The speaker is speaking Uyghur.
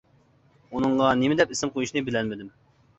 ئۇنىڭغا نېمە دەپ ئىسىم قويۇشنى بىلەلمىدىم.